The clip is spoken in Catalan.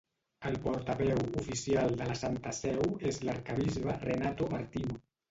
El portaveu oficial de la Santa Seu és l'arquebisbe Renato Martino.